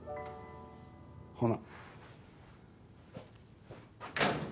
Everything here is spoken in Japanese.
ほな。